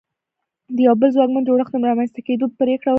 د یوه بل ځواکمن جوړښت د رامنځته کېدو پرېکړه وشوه.